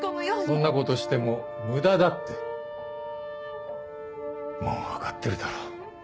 そんなことしても無駄だってもう分かってるだろ？